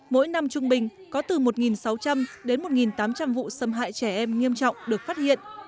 mỗi năm trung bình có từ một sáu trăm linh đến một tám trăm linh vụ xâm hại trẻ em nghiêm trọng được phát hiện